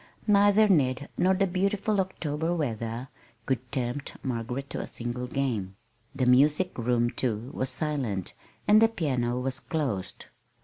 Neither Ned nor the beautiful October weather could tempt Margaret to a single game. The music room, too, was silent, and the piano was closed.